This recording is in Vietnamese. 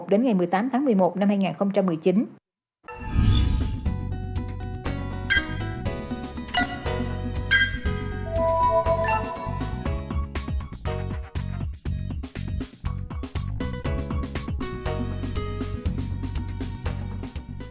đến ngày một mươi tám tháng một mươi một năm hai nghìn một mươi chín